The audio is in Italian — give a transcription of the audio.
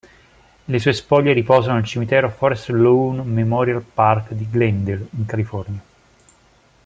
Le sue spoglie riposano nel cimitero Forest Lawn Memorial Park, di Glendale, in California.